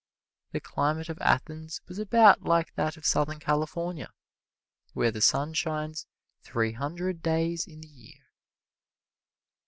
The climate of Athens was about like that of Southern California, where the sun shines three hundred days in the year.